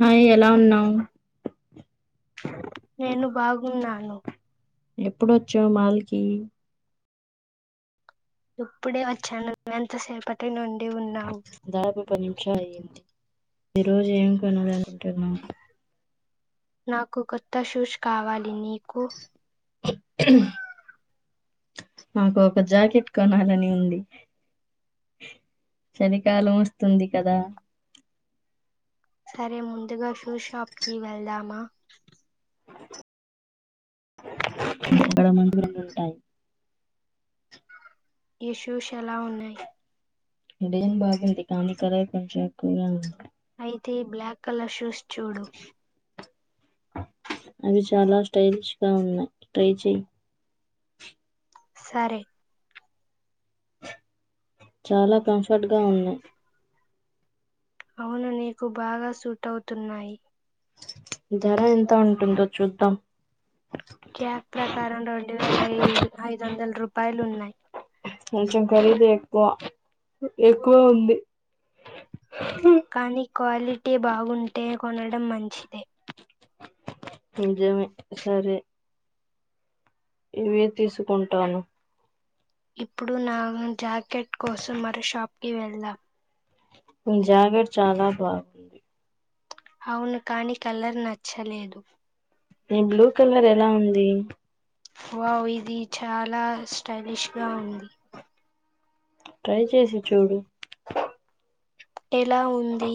Hi ఎలా ఉన్నావు నేను బాగున్నాను ఎప్పుడొచ్చావ్ మాలికి ఇప్పుడే వచ్చాను ఎంతసేపటి నుడి దాదాపు పది నిమిషాలు అయ్యంది ఈ రోజు ఏం [unintelligible] వద్దన్న నాకు కొత్త షూస్ కావాలి నీకు నాకు ఒక జాకెట్ కొనాలని ఉంది చలికాలం వస్తుంది కదా సరే ముందుగా షూ షాప్ కి వెళ్దామా గడ ముందు రెండు ఉంటాయి ఈ షూస్ ఎలా ఉన్నాయి ఇడే బాగుంది కానీ ఇక్కడే కొంచెం ఎక్కువగా ఉంది అయితే ఈ బ్లాక్ కలర్ షూస్ చూడు అవి చాలా స్టైలిష్ గా ఉన్నాయి ట్రై చెయి సరే చాలా కంఫర్ట్ గా ఉన్నాయి అవును నీకు బాగా సూట్ అవుతున్నాయి ధర ఎంత ఉంటుందో చూద్దాం క్యాక్ ప్రకారం రెండు వేల ఐదు ఐదు వందల రూపాయలు ఉన్నాయి కొంచెం ఖరీదు ఎక్కువ ఎక్కువ ఉంది కానీ క్వాలిటీ బాగుంటే కొనడం మంచిదే నిజమే సరే నువేం తీసుకుంటాను ఇప్పుడు నా జాకెట్ కోసం మరో షాప్కిి వెళ్దాం ఈ జాకెట్ చాలా బాగుంది అవును కాని కలర్ నచ్చలేదు ఈ బ్లూ కలర్ ఎలా ఉంది వావ్ ఇది చాలా స్టైలిష్ గా ఉంది ట్రై చేసి చూడు ఎలా ఉంది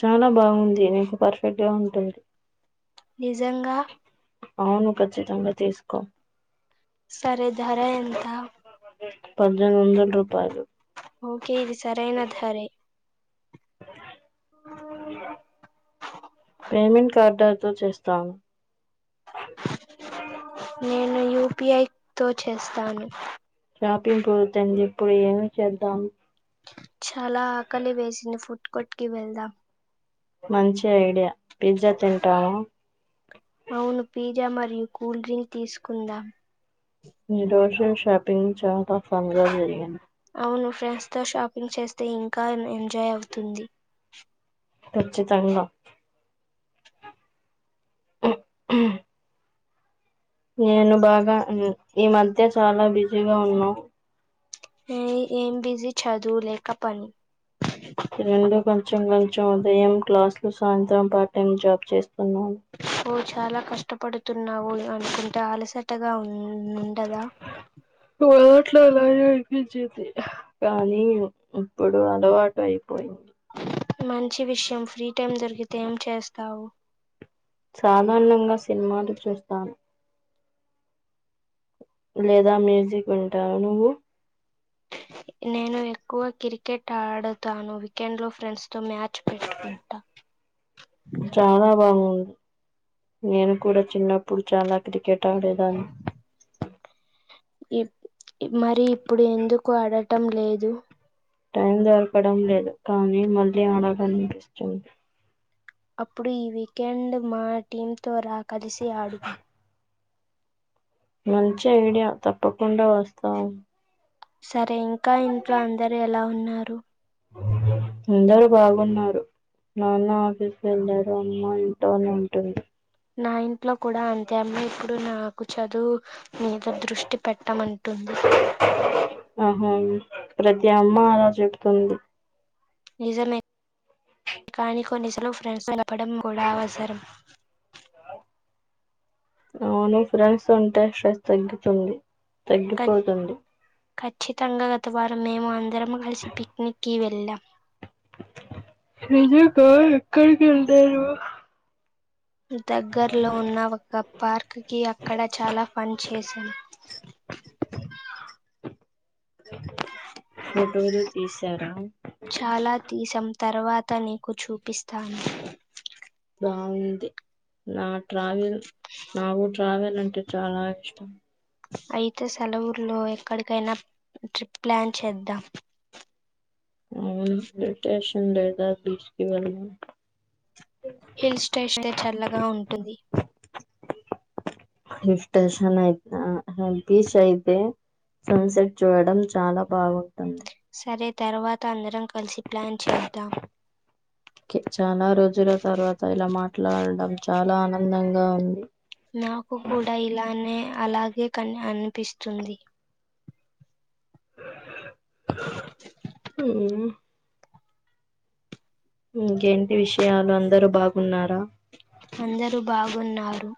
చాలా బాగుంది నీకు పర్ఫెక్ట్ గా ఉంటుంది నిజంగా అవును ఖచ్చితంగా తీసుకో సరే ధర ఎంత పద్దెనిమిది వందల రూపాయలు ఓకే ఇది సరైన దారే పేమెంట్ కార్డ తో చేస్తాము. నేను యూపిఐ తో చేస్తాను. షాపింగ్ పోత అని చెప్పి ఇప్పుడు ఎమిచేద్దాం చాలా ఆకలి వేసింది. ఫుడ్ కోర్ట్ కి వెళ్దాం. మంచి ఐడియా పిజ్జా తింటావ అవును పిజ్జా మరియు కూల్ డ్రింక్ తీసుకుందాం ఈ రోజు షాపింగ్ చాలా ఫన్ గా జరిగింది. ఇంగ్ చేస్తే ఇంకా ఎంజాయ్ అవుతుంది. కచ్చితంగా నేను బాగా హ్ ఈ మధ్య చాలా బిజీగా ఉన్నావు హే ఏం బిజీ చదువులేక పని చేం ఉదయం క్లాసులు సాయంత్రం పార్ట్ టైం జాబ్ చేస్తున్నాను హొ చాలా కష్టపడుతున్నావు అనుకుంట అలసటగా ఉం [unintelligible] కానీ ఇప్పుడు అలవాటు అయిపోయింది మంచి విషయం ఫ్రీ టైం దొరికితే ఏం చేస్తావు. సాధారణంగా సినిమాలు చూస్తాను. లేదా మ్యూజిక్ వింటాను నువ్వు నేను ఎక్కువ క్రికెట్ ఆడతాను. వీకెండ్ లో ఫ్రెండ్స్ తో మ్యాచ్ పెట్టుకుంటా చలా బాగుంది నేను కూడా చిన్నప్పుడు చాలా క్రికెట్ ఆడేదాన్ని మరి ఇప్పుడు ఎందుకు అడటం లేదు. టైం దొరకడం లేదు. కానీ మళ్ళీ ఆడలీ ఆనిపిస్తుంది. అప్పుడు ఈ వీకెండ్ మా టీం తో రా కలిసి ఆడుదాం. మంచి ఐడియా తప్పకుండా వస్తాం సరే ఇంకా ఇంట్లో అందరు ఎలా ఉన్నారు. అందరు బాగున్నారు. నాన్న ఆఫీస్ వెళ్ళారు. అమ్మ ఇంట్లోనే ఉంటుంది. నా ఇంట్లో కూడా అంతే అమ్మా ఇప్పుడు నాకు చదువు మీద దృష్టి పెట్టమంటుంది. ఆహా ప్రతి అమ్మ అలా చెప్తుంది. నిజామే కానీ కొన్ని సార్లు ఫ్రెండ్స్ తో గడపడం కూడా అవసరం అవును ఫ్రెండ్స్ ఉంటే స్ట్రెస్ తగ్గుతుంది. తగ్గిపోతుంది ఖచ్చితంగా గత వారం మేము అందరం కలిసి పిక్నిక్కిి వెళ్ళాం. ఉహ్ కా ఎక్కడికి వెళ్ళారు. దగ్గర్లో ఉన్న ఒక పార్క్ కి అక్కడ చాలా ఫన్ చేసాం ఫోటోలు తీశారా చాలా తీసాం తర్వాత నీకు చూపిస్తాను. బాగుంది. నా ట్రావెల్ నాకు ట్రావెల్ అంటే చాలా ఇష్టం. అయితే సెలవు లులో ఎక్కడికైనా ట్రిప్ ప్లాన్ చేద్దాం. అవును [unintelligible] లేద బీచ్కి వెళ్దాం. హిల్ స్టేషన్ చల్లగా ఉంటది. హీల్ స్టేషన్ నా బీచ్ అయితే సన్ సెట్ చూడడం చాలా బాగుంటుంది. సరే తర్వాత అందరం కలిసి ప్లాన్ చేద్దాం. చాలా రోజుల తర్వాత ఇలా మాట్లాడడంం చాలా ఆనందంగా ఉంది. నాకు కూడా ఇలానే అలాగే కానీ అనిపిస్తుంది. హ్మ్ ఇంకేంటి విషయాలు అందరూ బాగున్నారు. అందరూ బాగున్నారు.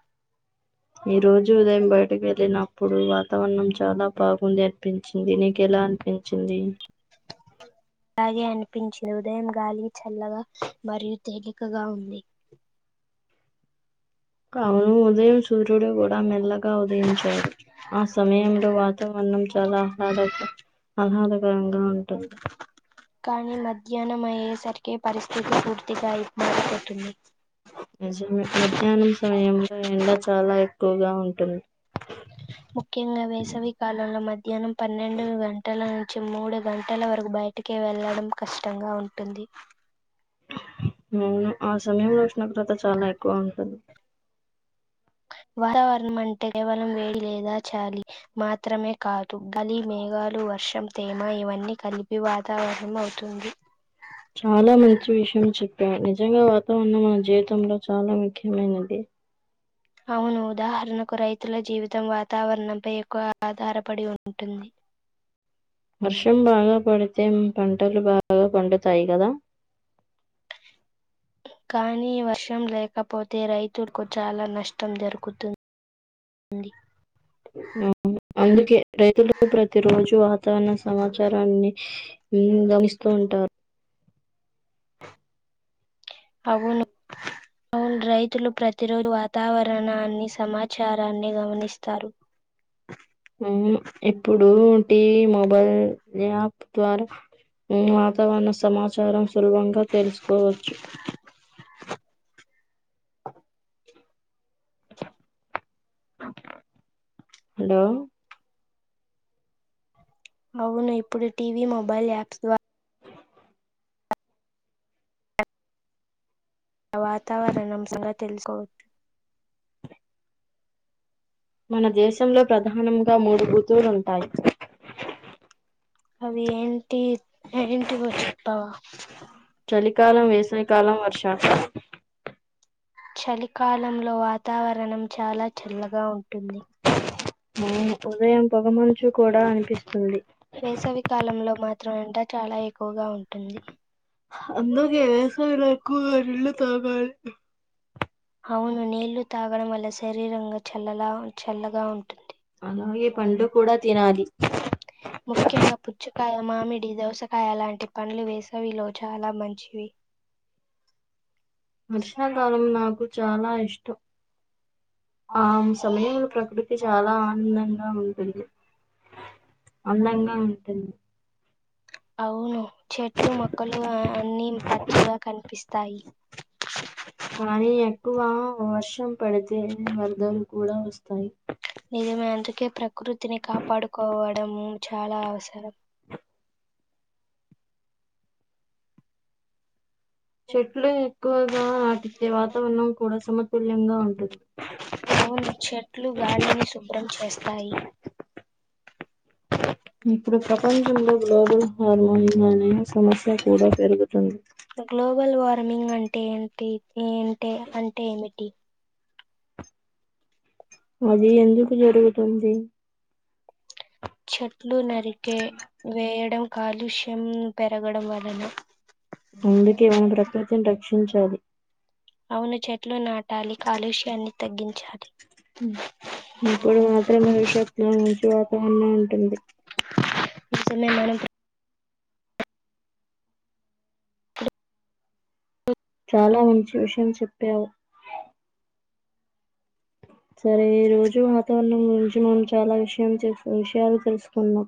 ఈ రోజు ఉదయం బయటకి వెళ్ళినప్పుడు వాతావరణం చాలా బాగుంది అనిపించింది. నీకెలా అనిపించింది. బాగే అనిపించింది బాగెనిపించింది ఉదయం గాలి చల్లగా మరియు తేలికగా ఉంది. అవును, ఉదయం సూర్యుడు కూడా మెల్లగా ఉదయించాడు. ఆ సమయంలో వాతావరణం చాలా అ ఆహ్లాదకరంగా ఉంటుంది. కానీ మధ్యాహ్నం అయ్యేసరికే పరిస్థితి పూర్తిగా ఇబ్బందిపెడుతుంది. మధ్యాహ్నం సమయంలో ఎండ చాలా ఎక్కువగా ఉంటుంది. ముఖ్యంగా వేసవి కాలంలో మధ్యాహ్నం పన్నెండు గంటల నుంచి మూడు గంటల వరకు బయటికి వెళ్లడం కష్టంగా ఉంటుంది. ఆ సమయంలో ఉష్ణోగ్రత చాలా ఎక్కువ ఉంటుంది. వాతావరణం అంటే కేవలం వేడి లేదా చాలి మాత్రమే కాదు, గాలి, మేఘ లు, వర్షం, తేమ ఇవన్నీ కలిపి వాతావరణం అవుతుంది. చాలా మంచి విషయం చెప్ నిజంగా వాతావరణం మన జీవితంలో చాలా ముఖ్యమైనది. అవును, ఉదాహరణకు రైతుల జీవితం వాతావరణంపై ఎక్కువ ఆధారపడి ఉంటుంది. వర్షం బాగా పడితే పంటలు బాగా పండుతాయి కదా. కానీ వర్షం లేకపోతే రైతులకు చాలా నష్టం దొరుకుతుంది. అండి అందుకే రైతులు ప్రతి రోజు వాతావరణ సమాచారాన్ని గమనిస్తూ ఉంటారు. అవును అవును, రైతులు ప్రతిరోజు వాతావరణాన్ని, సమాచారాన్ని గమనిస్తారు. అవును. ఇప్పుడు టీవీ, మోబైల్ యాప్ ద్వారా వాతావరణ సమాచారం సులభంగా తెలుసుకోవచ్చు. [inaudible] హలో! అవును, ఇప్పుడు టీవీ, మొబైల్ యాప్స్ ద్వారా వాతావరణం సంగతి తెలుసుకోవచ్చు. మన దేశంలో ప్రధానంగా మూడు ఋతువులు ఉంటాయి. అవి ఏంటి ఏంటివో చెప్పావా. చలికాలం, వేసవికాలం, వర్షా చలికాలంలో వాతావరణం చాలా చల్లగా ఉంటుంది. అవును. ఉదయం పొగమంచు కూడా అనిపిస్తుంది వేసవ కాలంలో మా మాత్రం ఎండ చాలా ఎక్కువగా ఉంటుంది. అందుకే వేసవిలో నీళ్ళు ఎక్కువగా తాగాలి. అవును, నీళ్లు తాగడం వల్ల శరీరంగా చల్లగా ఉంటుంది. అలాగే, పండు కూడా తినాలి. పండు మామిడి, దోసకాయ లాంటి పండులు వేసేవిలో చాలా మంచివి. వర్షాకాలం నాకు చాలా ఇష్టం. ఆ సమయంలో ప్రకృతి చాలా ఆనందంగా ఉంటుంది. అందంగా ఉంటుంది. అవును, చెట్లు మొక్కలు అన్నీ పచ్చగా కనిపిస్తాయి. తాయి. కానీ ఎక్కువ వర్షం పడితే వరదలు కూడా వస్తాయి నిజమే అందుకే ప్రకృతిని కాపాడుకోవడం చాలా అవసరం చెట్లు ఎక్కువగా నాటితే వాతావరణం కూడా సమతుల్యంగా ఉంటుంది అవును చెట్లు గాలిని శుభ్రం చేస్తాయి ఇప్పుడు ప్రపంచంలో గ్లోబల్ హార్మోన్ అనే సమస్య కూడా పెరుగుతుంది గ్లోబల్ వార్మింగ్ అంటే ఏంటి [unintelligible] అంటే ఏమిటి అది ఎందుకు జరుగుతుంది చెట్లు నరికే వేయడం కాలుష్యం పెరగడం వలన అందుకే మనము ప్రకృతిని రక్షించాలి అవును చెట్లు నాటాలి కాలుష్యాన్ని తగ్గించాలి హ్మ ఇప్పుడు మాత్రమే భవిష్యత్ లో మంచి వాతావరణం ఉంటుంది ఇష్టమే మేడం చాలా మంచి విషయం చెప్పావు సరే ఈ రోజు వాతావరణం గురించి మనం చాలా విషయం చెస్ విషయాలు తెలుసుకున్నాం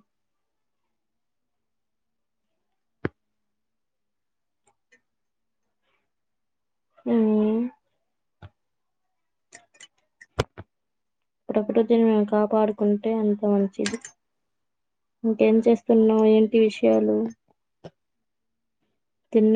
హ్మ ప్రపృతిని మేము కాపాడుకుంటే అంత మంచిది ఇంకేం చేస్తున్నావు ఏంటి విషయాలు తిన్నా